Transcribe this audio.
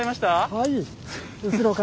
はい。